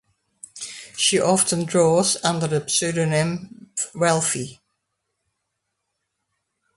She often draws under the pseudonym Ralphi.